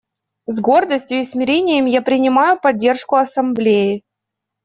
С гордостью и смирением я принимаю поддержку Ассамблеи.